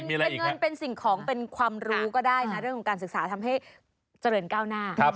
เกี่ยวกับเรื่องการศึกษาใช่ไหม